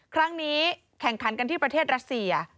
ครั้งนี้แข่งขันกันที่ประเทศรัสเซีย